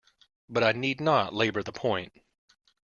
But I need not labour the point.